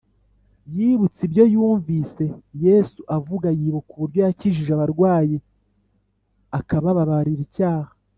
yibutse ibyo yumvise yesu avuga, yibuka uburyo yakijije abarwayi, akababarira icyaha